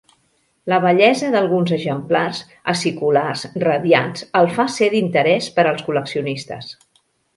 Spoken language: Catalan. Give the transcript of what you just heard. La bellesa d'alguns exemplars aciculars radiats el fa ser d'interès per als col·leccionistes.